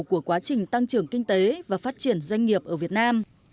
của quá trình tăng trưởng kinh tế và phát triển doanh nghiệp ở việt nam